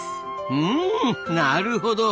うんなるほど。